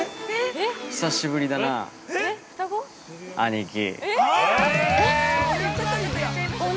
久しぶりだな、兄貴！